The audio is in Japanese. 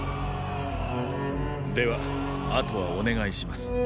では後はお願いします。